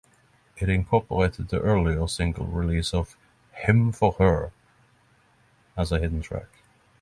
It incorporated the earlier single release of "Hymn for Her" as a hidden track.